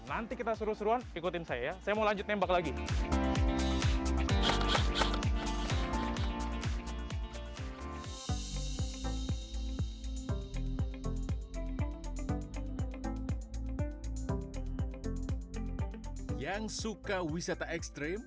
nanti kita seru seruan ikutin saya saya mau lanjut nembak lagi yang suka wisata ekstrim